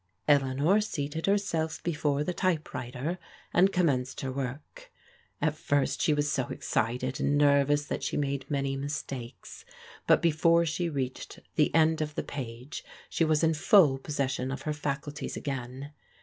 Eleanor seated herself before the typewriter and com menced her work. At first she was so excited and nerv ous that she made many mistakes, but before she reached the end of the page she was in full possession of her fac ulties again.